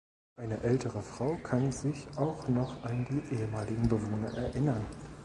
Eine ältere Frau kann sich auch noch an die ehemaligen Bewohner erinnern.